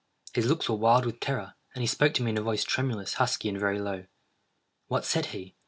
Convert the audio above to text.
His looks were wild with terror, and he spoke to me in a voice tremulous, husky, and very low. What said he?